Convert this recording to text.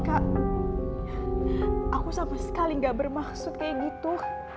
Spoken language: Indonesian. kak aku sama sekali gak bermaksud kayak gitu